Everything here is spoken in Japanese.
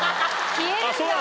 消えるんだ。